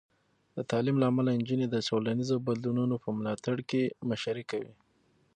د تعلیم له امله، نجونې د ټولنیزو بدلونونو په ملاتړ کې مشري کوي.